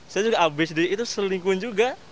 saya juga habis itu selingkuh juga